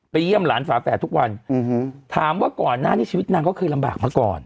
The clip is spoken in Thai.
เยี่ยมหลานฝาแฝดทุกวันถามว่าก่อนหน้านี้ชีวิตนางก็เคยลำบากมาก่อน